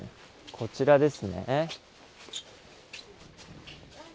こちらですね。